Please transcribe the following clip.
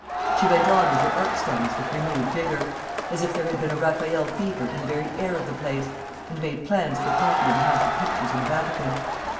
She went on with her art studies with renewed vigour, as if there had been a Raffaelle fever in the very air of the place, and made plans for copying half the pictures in the Vatican.